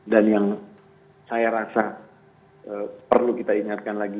dan yang saya rasa perlu kita ingatkan lagi